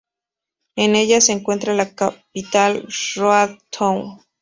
En ella, se encuentra la capital Road Town.